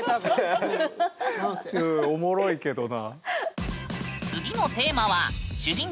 うんおもろいけどな。